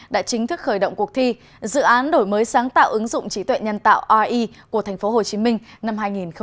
đã chính thức khởi động cuộc thi dự án đổi mới sáng tạo ứng dụng trí tuệ nhân tạo re của tp hcm năm hai nghìn hai mươi